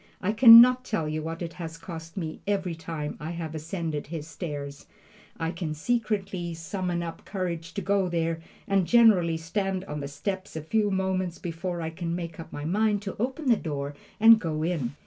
I can not tell you what it has cost me every time I have ascended his stairs. I can scarcely summon up courage to go there, and generally stand on the steps a few moments before I can make up my mind to open the door and go in.